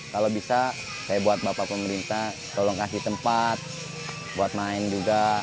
kalau bisa saya buat bapak pemerintah tolong kasih tempat buat main juga